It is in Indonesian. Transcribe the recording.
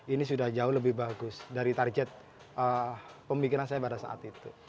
ini sudah jauh lebih bagus dari target pemikiran saya pada saat itu